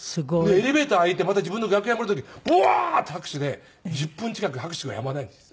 エレベーター開いてまた自分の楽屋戻る時うわーって拍手で１０分近く拍手がやまないんです。